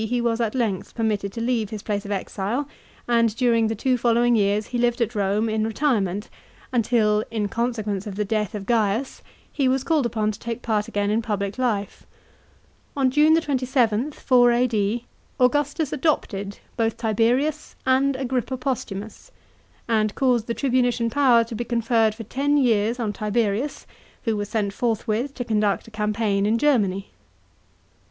he was at length permitted to leave his place of exile, and during the two following years he lived at Rome in retirement, until, in consequence of the death of Gaiu^ he was called upon to take part again in public life. On June 27, 4 A.D., Augustus adopted both Tiberius and Agrippa Postumus, and caused the tribunician power to be conferred for ten years on Tiberius, who was sent forthwith to conduct a campaign in Germany.